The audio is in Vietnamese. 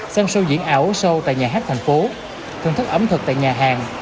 sang show diễn ảo show tại nhà hát thành phố thưởng thức ẩm thực tại nhà hàng